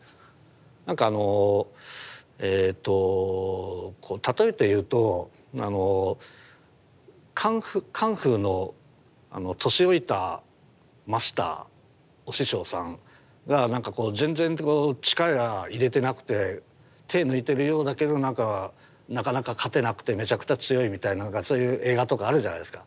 なんかあのえっと例えて言うとカンフーの年老いたマスターお師匠さんがなんかこう全然力入れてなくて手抜いてるようだけどなんかなかなか勝てなくてめちゃくちゃ強いみたいなそういう映画とかあるじゃないですか。